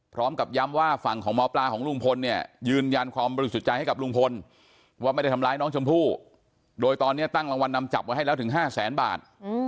พร้อมกับย้ำว่าฝั่งของหมอปลาของลุงพลเนี่ยยืนยันความบริสุทธิ์ใจให้กับลุงพลว่าไม่ได้ทำร้ายน้องชมพู่โดยตอนนี้ตั้งรางวัลนำจับไว้ให้แล้วถึง๕แสนบาท